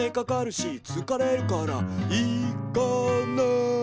「つかれるから行かない！」